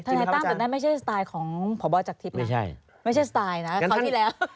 ทะเลตั้งแต่งไม่ใช่สไตล์ของพบจักรทิพย์นะไม่ใช่สไตล์นะเขาที่แล้ว